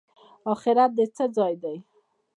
اخرت د څه ځای دی؟